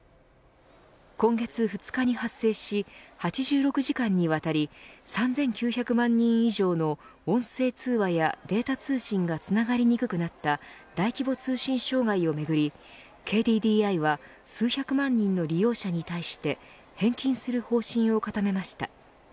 今月２日に発生し８６時間にわたり３９００万人以上の音声通話やデータ通信がつながりにくくなった大規模通信障害をめぐりＫＤＤＩは数百万人の利用者に対して返金する方針を固めました。